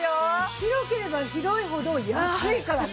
広ければ広いほど安いからね！